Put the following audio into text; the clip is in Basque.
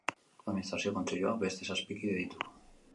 Administrazio Kontseiluak beste zazpi kide ditu.